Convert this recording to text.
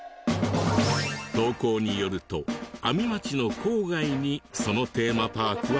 投稿によると阿見町の郊外にそのテーマパークはあるという。